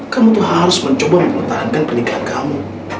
kamu tuh harus mencoba mempertahankan pernikahan kamu